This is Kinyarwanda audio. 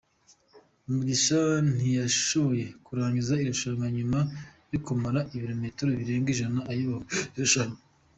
Mugisha ntiyashoboye kurangiza irushanwa nyuma yo kumara ibirometero birenga ijana ayoboye irushanwa.